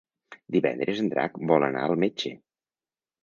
Divendres en Drac vol anar al metge.